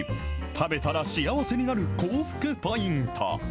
食べたら幸せになる口福ポイント。